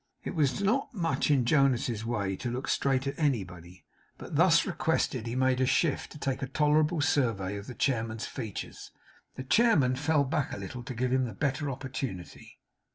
It was not much in Jonas's way to look straight at anybody; but thus requested, he made shift to take a tolerable survey of the chairman's features. The chairman fell back a little, to give him the better opportunity.